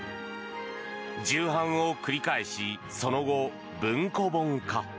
重版を繰り返しその後、文庫本化。